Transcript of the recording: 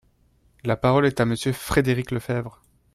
La parole est à Monsieur Frédéric Lefebvre.